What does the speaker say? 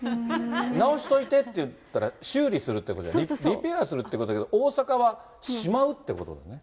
なおしといてって言ったら、修理するっていうこと、リペアするってことだけど、大阪はしまうってことですね。